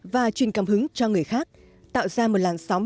và truyền cảm hứng cho người khác tạo ra một làn sóng